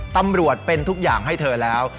ตำรวจเป็นทุกอย่างให้เธอแล้ว